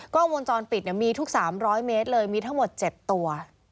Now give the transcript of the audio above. กล้องวงจรปิดมีทุก๓๐๐เมตรเลยมีทั้งหมด๗ตัว